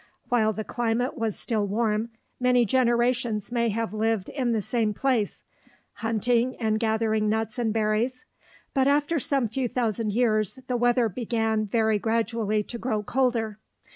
While the climate was still warm, many generations may have lived in the same place, hunting, and gathering nuts and berries; but after some few thousand years, the weather began very gradually to grow colder.